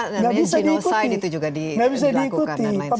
namanya genosign itu juga dilakukan dan lain sebagainya